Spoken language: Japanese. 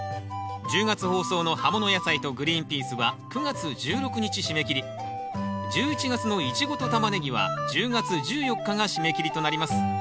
１０月放送の「葉もの野菜」と「グリーンピース」は９月１６日締め切り１１月の「イチゴ」と「タマネギ」は１０月１４日が締め切りとなります。